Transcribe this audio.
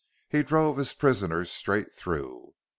He drove his prisoners straight through.